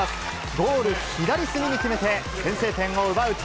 ゴール左隅に決めて、先制点を奪うと。